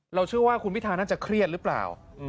เชื่อว่าคุณพิธาน่าจะเครียดหรือเปล่า